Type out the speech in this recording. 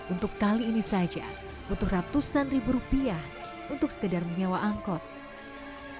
untuk kali ini saja butuh ratusan ribu rupiah untuk sekedar menyewa angkot